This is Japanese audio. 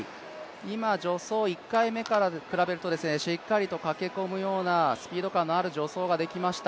今、助走、１回目と比べるとしっかり駆け込むようなスピード感のある助走ができました。